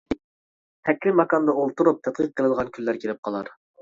تەكلىماكاندا ئولتۇرۇپ تەتقىق قىلىدىغان كۈنلەر كېلىپ قالار.